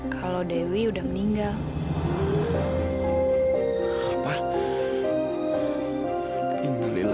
kalau dewi udah meninggal